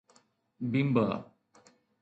بيمبا